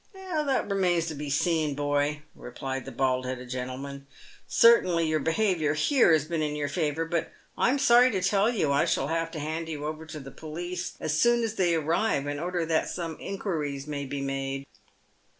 " That remains to be seen, boy," replied the bald headed gentle man. " Certainly your behaviour, here, has been in your favour ; but I am sorry to tell you I shall have to hand you over to the police as soon as they arrive, in order that some inquiries may be made."